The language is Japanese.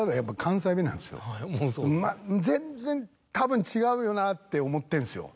全然たぶん違うよなって思ってんすよ。